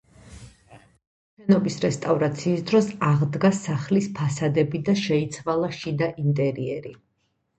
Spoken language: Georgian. შენობის რესტავრაციის დროს აღდგა სახლის ფასადები და შეიცვალა შიდა ინტერიერი.